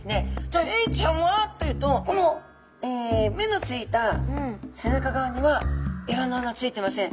じゃあエイちゃんはというとこの目のついた背中側にはエラの穴ついてません。